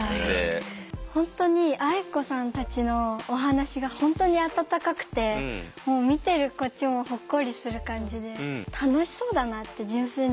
本当にあい子さんたちのお話が本当に温かくてもう見てるこっちもホッコリする感じで楽しそうだなって純粋に思いました。